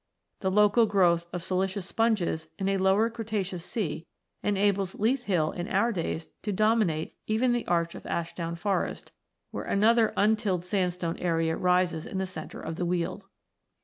The local growth of siliceous sponges in a Lower Cretaceous sea enables Leith Hill in our days to dominate even the arch of Ashdown Forest, where another untilled sandstone area rises in the centre of the Weald.